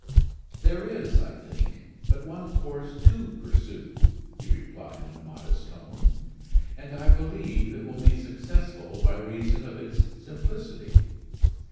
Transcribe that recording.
"There is, I think, but one course to pursue," he replied in a modest tone; "and I believe it will be successful by reason of its simplicity.